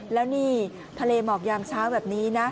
แล้วนี่ทะเลหมอกยามเช้าแบบนี้นะ